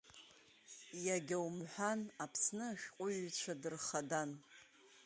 Иагьа умҳәан Аԥсны ашәҟәҩҩцәа дырхадан.